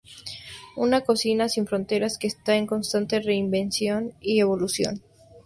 Una cocina sin fronteras que está en constante reinvención y evolución.